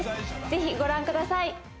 ぜひご覧ください